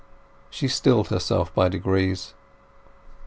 She stilled herself by degrees.